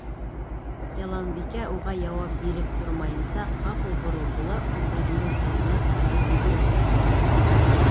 Яланбикә, уға яуап биреп тормайынса, ҡапыл боролдо ла үҙҙәренең өйөнә ҡарай йүгерҙе.